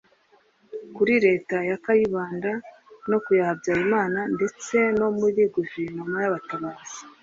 Kuri Leta ya Kayibanda no ku ya Habyarimana ndetse no muri Guverinoma y’Abatabazi